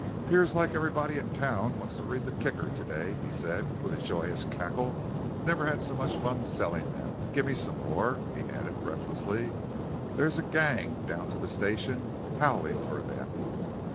"'Pears like everybody in town wants to read the Kicker to day," he said with a joyous cackle. "Never had so much fun sellin' them. Gimme some more," he added breathlessly; "they's a gang down to the station howlin' for them.